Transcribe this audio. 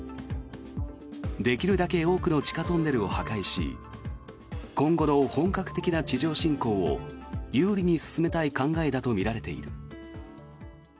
できるだけ多くの地下トンネルを破壊し今後の本格的な地上侵攻を有利に進めたい考えだとみられている。